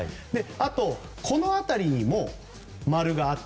あと、この辺りにも丸がある。